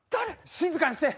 静かにして！